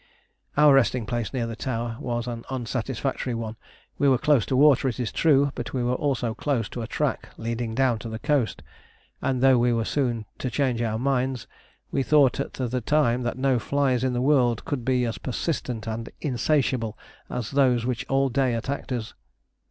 Our resting place near the tower was an unsatisfactory one. We were close to water, it is true, but we were also close to a track leading down to the coast, and though we were soon to change our minds, we thought at the time that no flies in the world could be as persistent and insatiable as those which all day attacked us.